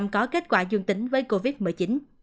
có kết quả dương tính với covid một mươi chín